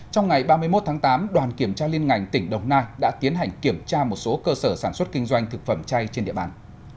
trong ngày ba mươi một tháng tám đoàn kiểm tra liên ngành tỉnh đồng nai đã tiến hành kiểm tra một số cơ sở sản xuất kinh doanh thực phẩm chay trên địa bàn